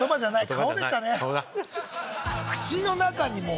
顔でしたね。